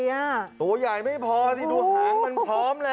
ตัวใหญ่ไม่พอที่ตัวหางมันพร้อม